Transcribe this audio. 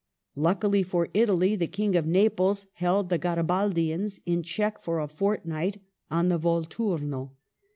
Luckily for Italy the King of Naples held the Garibaldians in check for a fortnight on the Volturno.